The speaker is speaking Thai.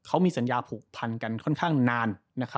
เขามีสัญญาผูกพันกันค่อนข้างนาน